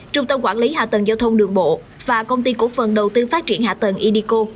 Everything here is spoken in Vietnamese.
trung tâm quản lý hạ tầng giao thông đường bộ và công ty cổ phần đầu tư phát triển hạ tầng indico